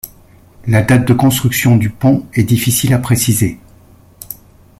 La date de construction du pont est difficile à préciser.